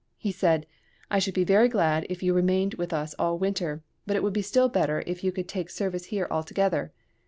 He said, "I should be very glad if you remained with us all winter; but it would be still better if you could take service here altogether.